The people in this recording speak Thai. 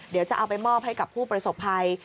เดี๋ยวจะเอาไปมอบให้กับผู้ประสบภัย